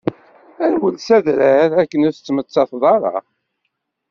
Rwel s adrar iwakken ur tettmettateḍ ara.